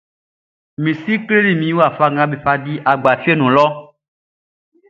Mi si kleli min wafa nga be di agba fieʼn nun lɔʼn.